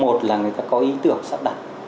một là người ta có ý tưởng sẵn đặt